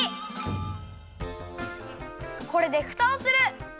これでふたをする！